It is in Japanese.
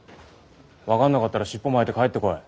分かんなかったら尻尾巻いて帰ってこい。